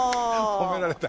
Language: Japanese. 褒められた。